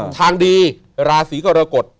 ทางดีราศีกรกฎ